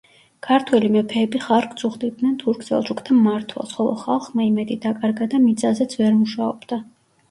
ქართველი მეფეები ხარკს უხდიდნენ თურქ-სელჩუკთა მმართველს, ხოლო ხალხმა იმედი დაკარგა და მიწაზეც ვერ მუშაობდა.